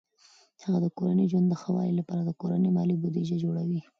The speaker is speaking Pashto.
هغه د کورني ژوند د ښه والي لپاره د کورني مالي بودیجه جوړوي.